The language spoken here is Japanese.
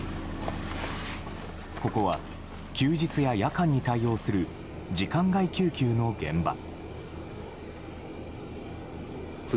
ここは、休日や夜間に対応する時間外救急の現場。